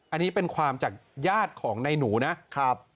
อันนี้เป็นความจากญาติของในหนูนะครับ